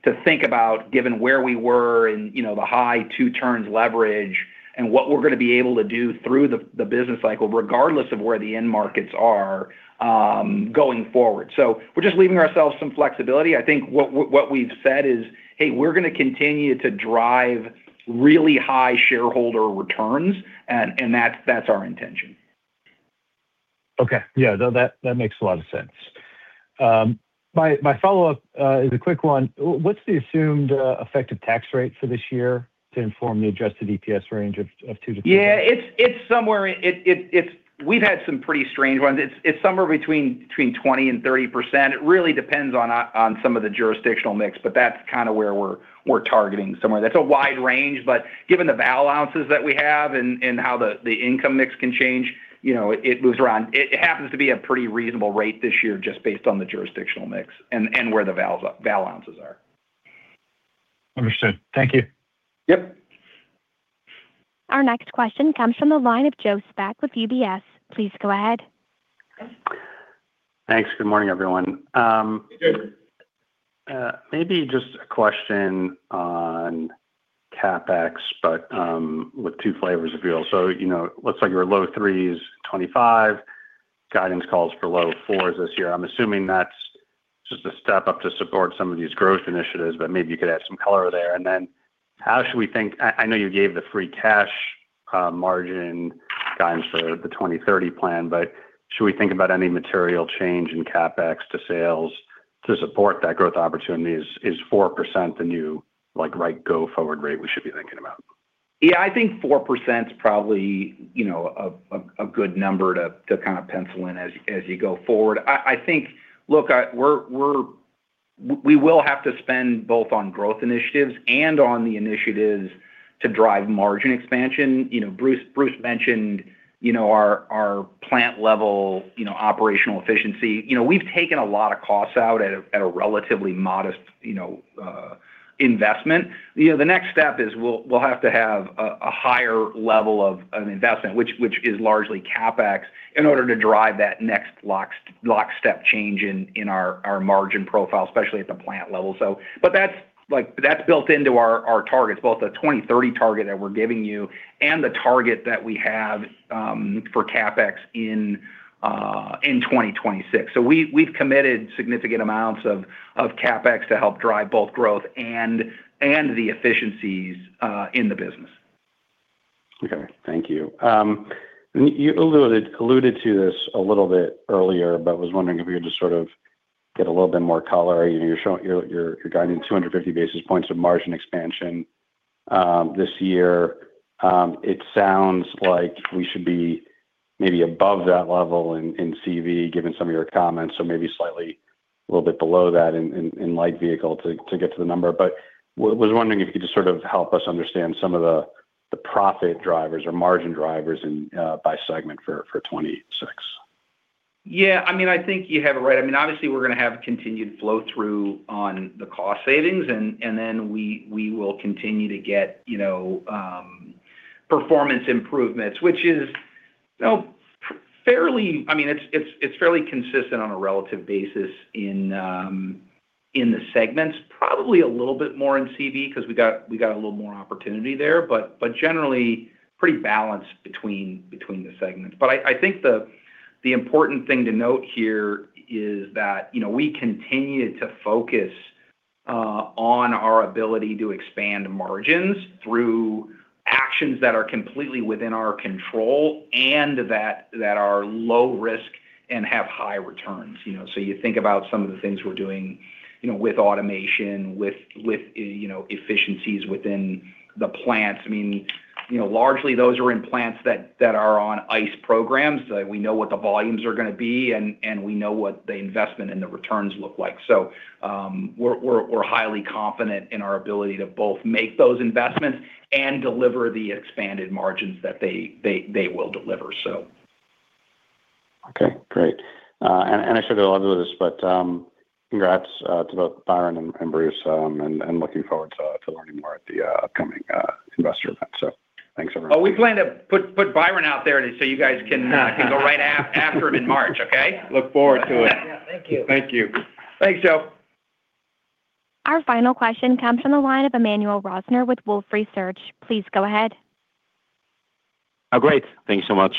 Speaker 5: to think about, given where we were and, you know, the high 2 turns leverage and what we're gonna be able to do through the business cycle, regardless of where the end markets are, going forward. We're just leaving ourselves some flexibility.I think what we've said is, "Hey, we're gonna continue to drive really high shareholder returns," and that's our intention.
Speaker 9: Okay. Yeah, no, that, that makes a lot of sense. My follow-up is a quick one. What's the assumed effective tax rate for this year to inform the adjusted EPS range of two to-
Speaker 5: Yeah, it's somewhere... We've had some pretty strange ones. It's somewhere between 20% and 30%. It really depends on some of the jurisdictional mix, but that's kind of where we're targeting somewhere. That's a wide range, but given the balances that we have and how the income mix can change, you know, it moves around. It happens to be a pretty reasonable rate this year, just based on the jurisdictional mix and where the balances are.
Speaker 9: Understood. Thank you.
Speaker 5: Yep.
Speaker 1: Our next question comes from the line of Joe Spak with UBS. Please go ahead.
Speaker 10: Thanks. Good morning, everyone.
Speaker 5: Good.
Speaker 10: Maybe just a question on CapEx, but with two flavors of view. So, you know, looks like your low 3s 2025 guidance calls for low 4s this year. I'm assuming that's just a step up to support some of these growth initiatives, but maybe you could add some color there. And then how should we think—I know you gave the free cash margin guidance for the 2030 plan, but should we think about any material change in CapEx to sales to support that growth opportunity? Is 4% the new, like, right go-forward rate we should be thinking about?
Speaker 5: Yeah, I think 4% is probably, you know, a good number to kind of pencil in as you go forward. I think—look, we're—we will have to spend both on growth initiatives and on the initiatives to drive margin expansion. You know, Bruce, Bruce mentioned, you know, our plant level, you know, operational efficiency. You know, we've taken a lot of costs out at a relatively modest investment. You know, the next step is we'll have to have a higher level of an investment, which is largely CapEx, in order to drive that next lockstep change in our margin profile, especially at the plant level. But that's, like, that's built into our targets, both the 2030 target that we're giving you and the target that we have for CapEx in 2026. So we've committed significant amounts of CapEx to help drive both growth and the efficiencies in the business....
Speaker 10: Okay, thank you. You alluded to this a little bit earlier, but was wondering if you could just sort of get a little bit more color. You know, you're showing you're guiding 250 basis points of margin expansion this year. It sounds like we should be maybe above that level in CV, given some of your comments, so maybe slightly a little bit below that in Light Vehicle to get to the number. But was wondering if you could just sort of help us understand some of the profit drivers or margin drivers by segment for 2026.
Speaker 5: Yeah, I mean, I think you have it right. I mean, obviously, we're going to have continued flow-through on the cost savings, and then we will continue to get, you know, performance improvements, which is, you know, fairly consistent on a relative basis in the segments. Probably a little bit more in CV because we got a little more opportunity there, but generally pretty balanced between the segments. But I think the important thing to note here is that, you know, we continue to focus on our ability to expand margins through actions that are completely within our control and that are low risk and have high returns. You know, so you think about some of the things we're doing, you know, with automation, you know, efficiencies within the plants. I mean, you know, largely those are in plants that are on ICE programs. So we know what the volumes are going to be, and we know what the investment and the returns look like. So, we're highly confident in our ability to both make those investments and deliver the expanded margins that they will deliver so.
Speaker 10: Okay, great. And I should go on with this, but, congrats to both Byron and Bruce, and looking forward to learning more at the upcoming investor event. So thanks, everyone.
Speaker 5: Oh, we plan to put Byron out there so you guys can go right after him in March, okay?
Speaker 3: Look forward to it.
Speaker 4: Thank you.
Speaker 3: Thank you.
Speaker 5: Thanks, Joe.
Speaker 1: Our final question comes from the line of Emmanuel Rosner with Wolfe Research. Please go ahead.
Speaker 11: Oh, great. Thank you so much.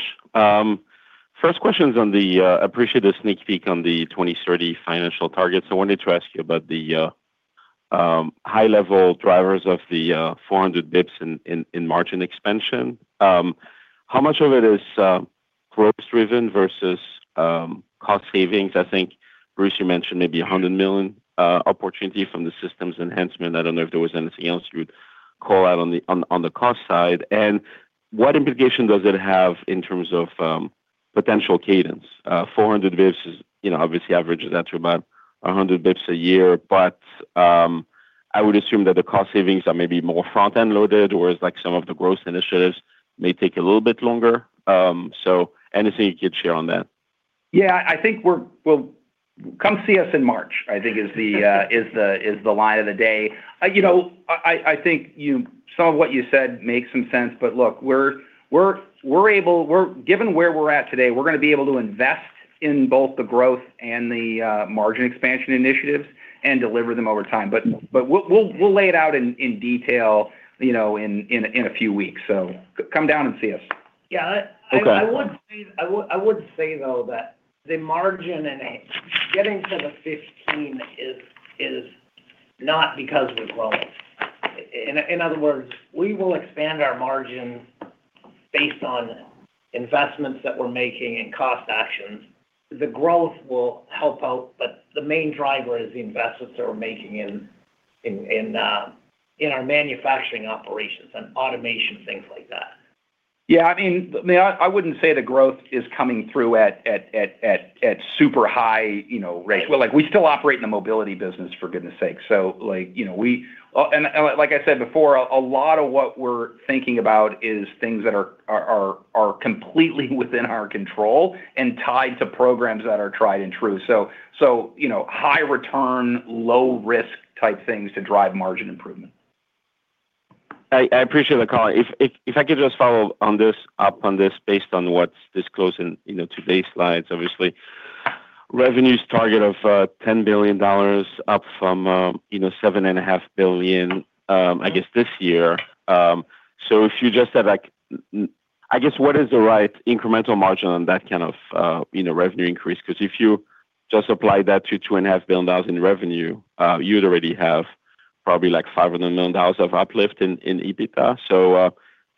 Speaker 11: First question is. I appreciate the sneak peek on the 2030 financial targets. I wanted to ask you about the high-level drivers of the 400 basis points in margin expansion. How much of it is growth driven versus cost savings? I think, Bruce, you mentioned maybe a $100 million opportunity from the systems enhancement. I don't know if there was anything else you'd call out on the cost side. And what implication does it have in terms of potential cadence? 400 basis points is, you know, obviously averages out to about 100 basis points a year, but I would assume that the cost savings are maybe more front-end loaded, whereas like some of the growth initiatives may take a little bit longer. So anything you could share on that?
Speaker 5: Yeah, I think we're well, come see us in March. I think is the line of the day. You know, I think some of what you said makes some sense, but look, we're able, given where we're at today, we're going to be able to invest in both the growth and the margin expansion initiatives and deliver them over time. But we'll lay it out in detail, you know, in a few weeks, so come down and see us.
Speaker 3: Yeah, I-
Speaker 11: Okay.
Speaker 3: I would say, though, that the margin and getting to the 15 is not because of the growth. In other words, we will expand our margins based on investments that we're making and cost actions. The growth will help out, but the main driver is the investments that we're making in our manufacturing operations and automation, things like that.
Speaker 5: Yeah, I mean, I wouldn't say the growth is coming through at super high, you know, rates. Well, like, we still operate in the mobility business, for goodness sake. So like, you know, we, and like I said before, a lot of what we're thinking about is things that are completely within our control and tied to programs that are tried and true. So, you know, high return, low risk type things to drive margin improvement.
Speaker 11: I appreciate the call. If I could just follow up on this, based on what's disclosed in today's slides, obviously. Revenues target of $10 billion, up from $7.5 billion, I guess this year. If you just have like, I guess, what is the right incremental margin on that kind of, you know, revenue increase? Because if you just apply that to $2.5 billion in revenue, you'd already have probably, like, $500 million of uplift in EBITDA.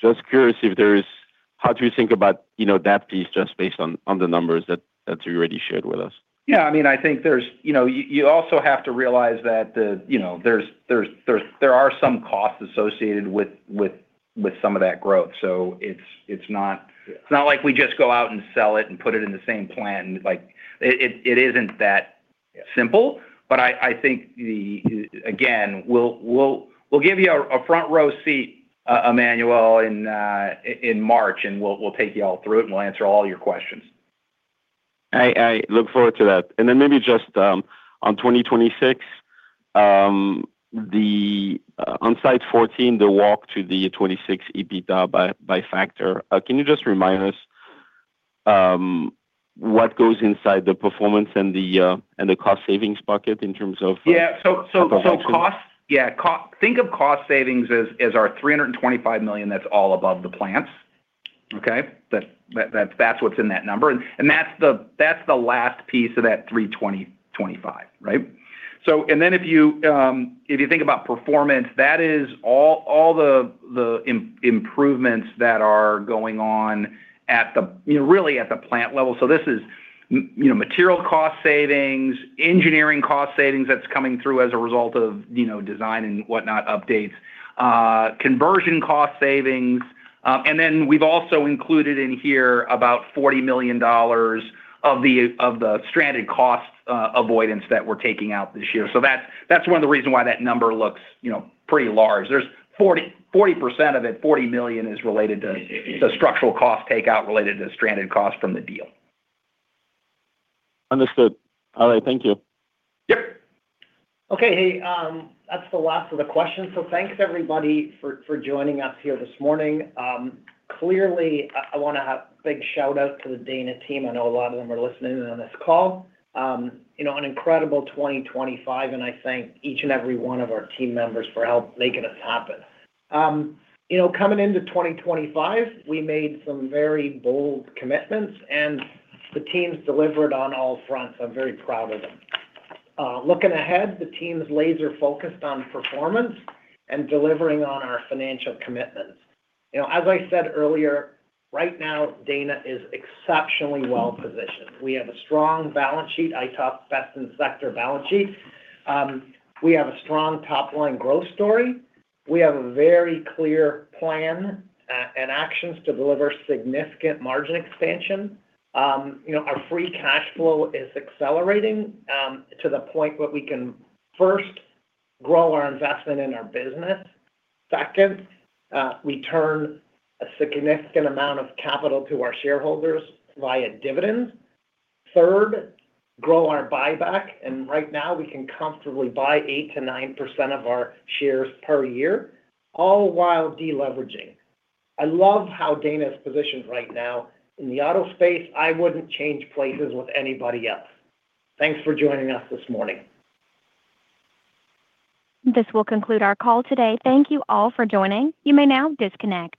Speaker 11: Just curious if there's-- how do you think about, you know, that piece just based on the numbers that you already shared with us?
Speaker 5: Yeah, I mean, I think there's, you know, you also have to realize that the, you know, there are some costs associated with some of that growth. So it's not-
Speaker 11: Yeah...
Speaker 5: it's not like we just go out and sell it and put it in the same plant. Like, it isn't that-
Speaker 11: Yeah...
Speaker 5: simple, but I think, again, we'll give you a front-row seat, Emmanuel, in March, and we'll take you all through it, and we'll answer all your questions.
Speaker 11: I look forward to that. Then maybe just on 2026, on slide 14, the walk to the 2026 EBITDA by factor. Can you just remind us what goes inside the performance and the cost savings bucket in terms of-
Speaker 5: Yeah, so,
Speaker 11: Cost?...
Speaker 5: so cost, yeah, think of cost savings as our $325 million that's all above the plants. Okay? That, that's what's in that number, and that's the last piece of that $325 million, right? So and then if you think about performance, that is all the improvements that are going on at the, you know, really at the plant level. So this is, you know, material cost savings, engineering cost savings that's coming through as a result of, you know, design and whatnot, updates, conversion cost savings. And then we've also included in here about $40 million of the stranded cost avoidance that we're taking out this year. So that's one of the reasons why that number looks, you know, pretty large. There's 40, 40% of it, $40 million is related to the structural cost takeout related to stranded costs from the deal.
Speaker 11: Understood. All right, thank you.
Speaker 5: Yep.
Speaker 3: Okay, hey, that's the last of the questions. Thanks, everybody, for joining us here this morning. Clearly, I wanna give a big shout-out to the Dana team. I know a lot of them are listening in on this call. You know, an incredible 2025, and I thank each and every one of our team members for helping make this happen. You know, coming into 2025, we made some very bold commitments, and the team's delivered on all fronts. I'm very proud of them. Looking ahead, the team's laser-focused on performance and delivering on our financial commitments. You know, as I said earlier, right now, Dana is exceptionally well-positioned. We have a strong balance sheet. I talk best-in-sector balance sheet. We have a strong top-line growth story. We have a very clear plan and actions to deliver significant margin expansion. You know, our free cash flow is accelerating, to the point where we can first grow our investment in our business. Second, return a significant amount of capital to our shareholders via dividends. Third, grow our buyback, and right now, we can comfortably buy 8%-9% of our shares per year, all while deleveraging. I love how Dana's positioned right now. In the auto space, I wouldn't change places with anybody else. Thanks for joining us this morning.
Speaker 1: This will conclude our call today. Thank you all for joining. You may now disconnect.